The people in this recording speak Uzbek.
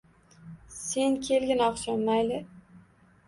Sen kelgin oqshom, mayli